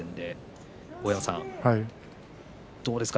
大山さん、どうですか。